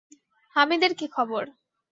হামিদের কী খবর?